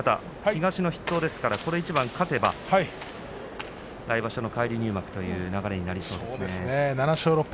東の筆頭ですからこの一番勝てば来場所の返り入幕という流れになります。